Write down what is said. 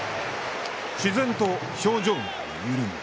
自然と、表情が緩む。